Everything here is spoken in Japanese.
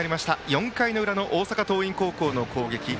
４回の裏、大阪桐蔭高校の攻撃。